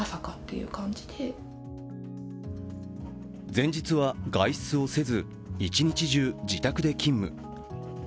前日は、外出をせず一日中、自宅で勤務。